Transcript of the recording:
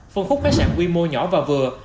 phương khúc khách sạn quy mô nhỏ và vừa